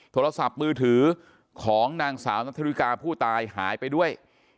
โทรศัพท์มือถือของนางสาวนัทธริกาผู้ตายหายไปด้วย